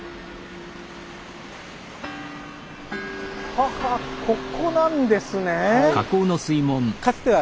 ははここなんですね。